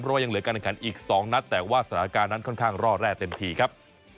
เพราะว่ายังเหลือการแข่งขันอีก๒นัดแต่ว่าสถานการณ์นั้นค่อนข้างร่อแร่เต็มทีครับ